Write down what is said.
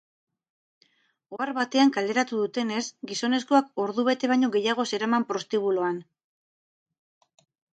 Ohar batean kaleratu dutenez, gizonezkoak ordu bete baino gehiago zeraman prostibuloan.